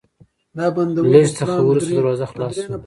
لېږ څه ورورسته دروازه خلاصه شوه،